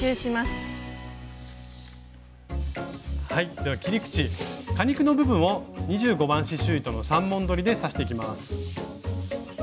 では切り口果肉の部分を２５番刺しゅう糸の３本どりで刺していきます。